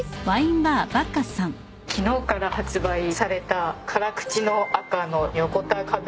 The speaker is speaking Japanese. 昨日から発売された辛口の赤の。